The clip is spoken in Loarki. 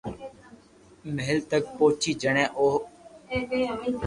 مھل تڪ پوچي جڻي او